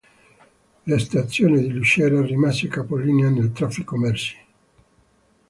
La stazione di Lucera rimase capolinea del traffico merci.